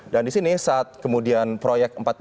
dan disini saat kemudian proyek empat belas